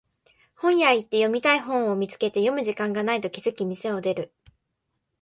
本屋行って読みたい本を見つけて読む時間がないと気づき店を出る